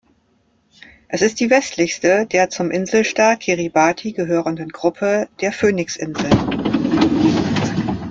Es ist die westlichste der zum Inselstaat Kiribati gehörenden Gruppe der Phoenixinseln.